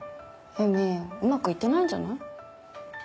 絵美うまくいってないんじゃない？